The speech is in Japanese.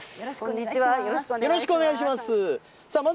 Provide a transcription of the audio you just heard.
よろしくお願いします。